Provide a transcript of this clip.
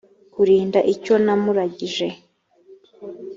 kurinda icyo namuragije